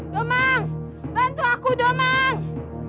domang bantu aku domang